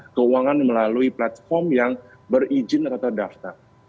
karena keuangan melalui platform yang berizin atau terdaftar